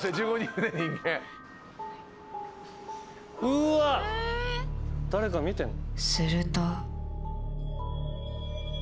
うわ誰か見てんの？